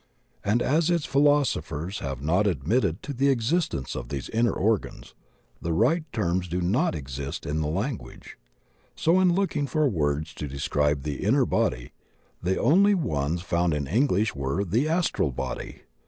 And as its philosophers have not ad mitted the existence of these inner organs, the right terms do not exist in the language. So in looking for words to describe the inner body the only ones found in English were the "astral body."